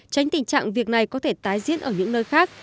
tránh tình trạng việc này có thể tái diễn ở những nơi khác